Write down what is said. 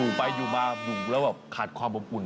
อยู่ไปอยู่มาอยู่แล้วแบบขาดความอบอุ่น